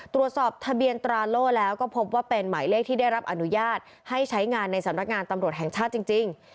ตรวจสอบทะเบียนตราโล่แล้วก็พบว่าเป็นหมายเลขที่ได้รับอนุญาตให้ใช้งานในสำนักงานตำรวจแห่งชาติจริง